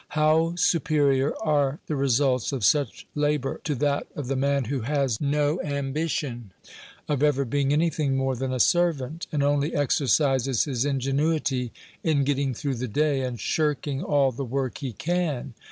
How superior are the results of such labor, to that of the man who has no ambition of ever being anything more than a servant, and only exercises his ingenuity in getting through the day, and shirking all the work he can!